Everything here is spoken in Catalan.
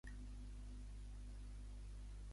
La capital és Chimaltenango.